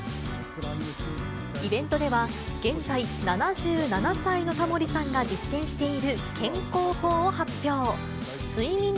イベントでは、現在、７７歳のタモリさんが実践している健康法を発表。